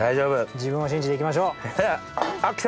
自分を信じて行きましょう。あっ来た！